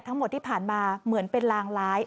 ทั้งหมดที่ผ่านมาเหมือนเป็นลางร้าย